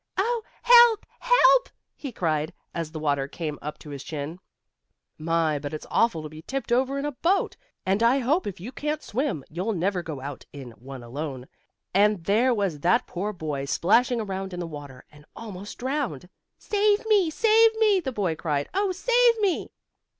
"Oh! Help! Help!" he cried, as the water came up to his chin. My, but it's awful to be tipped over in a boat! and I and I hope if you can't swim you'll never go out in one alone. And there was that poor boy splashing around in the water, and almost drowned. "Save me! Save me!" the boy cried. "Oh, save me!"